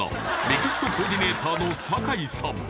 メキシココーディネーターの酒井さん